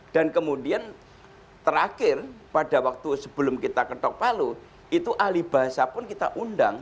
dan kemudian terakhir pada waktu sebelum kita ketok palu itu ahli bahasa pun kita undang